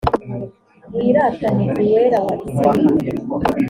wiratane uwera wa isirayeli